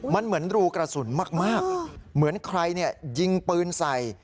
มันเหมือนรูกระสุนมากเหมือนใครยิงปืนใส่